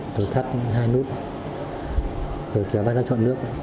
thử thắt hai nút rồi kéo bác ra chọn nước